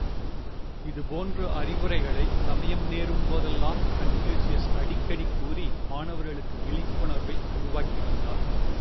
இதுபோன்ற அறிவுரைகளை சமயம் நேரும் போதெல்லாம் கன்பூசியஸ் அடிக்கடி கூறி மாணவர்களுக்கு விழிப்பணர்வை உருவாக்கி வந்தார்.